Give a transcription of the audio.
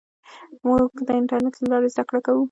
موږ د انټرنېټ له لارې زده کړه کوو.